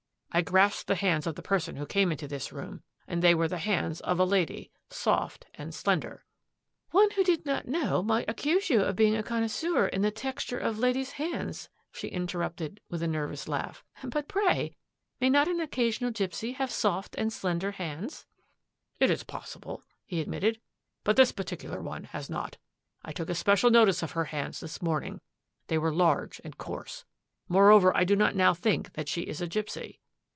I grasped the hands of the person who came into this room and they were the hands of a lady, soft and slender —"" One who did not know, might accuse you of being a connoisseur in the texture of ladies' hands," she interrupted, with a nervous laugh. " But pray, may not an occasional gipsy have soft and slender hands?" " It is possible," he admitted, " but this par ticular one has not. I took especial notice of her hands this morning; they were large and coarse. Moreover, I do not now think that she is a gipsy."